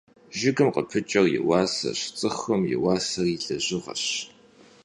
Jjıgım khıpıç'er yi vuaseş, ts'ıxum yi vuaser yi lejığeş.